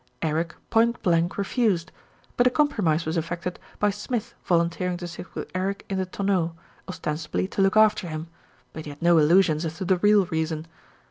Eric point blank refused; but a compromise was effected by Smith volun teering to sit with Eric in the tonneau, ostensibly to look after him; but he had no illusions as to the real reason.